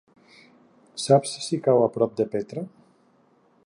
Saps si cau a prop de Petra?